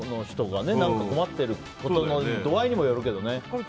困ってることの度合いにもよるけど。